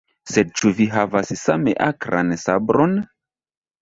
Sed ĉu vi havas same akran sabron?